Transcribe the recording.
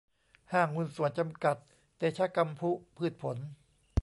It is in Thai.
ห้างหุ้นส่วนจำกัด เตชะกำพุพืชผล